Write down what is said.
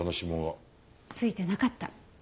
付いてなかった。